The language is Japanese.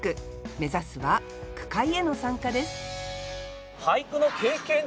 目指すは句会への参加です